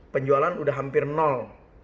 penjualan sudah hampir nol